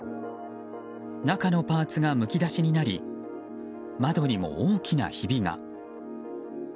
中のパーツがむき出しになり窓にも、大きなひびが。